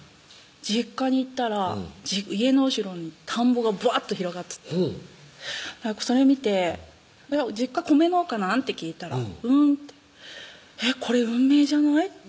実家に行ったら家の後ろに田んぼがぶわっと広がっとったそれ見て「実家米農家なん？」って聞いたら「うん」ってこれ運命じゃない？